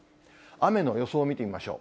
雨の予想見てみましょう。